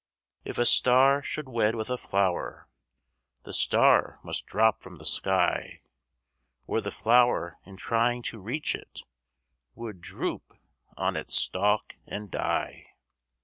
If a star should wed with a flower The star must drop from the sky, Or the flower in trying to reach it Would droop on its stalk and die.